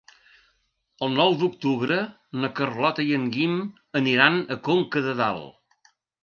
El nou d'octubre na Carlota i en Guim aniran a Conca de Dalt.